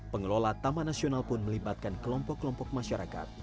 pengelola taman nasional pun melibatkan kelompok kelompok masyarakat